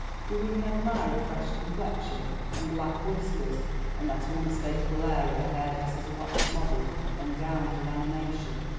Do women admire a fresh complexion and black whiskers, and that unmistakable air of a hairdresser's wax model endowed with animation?"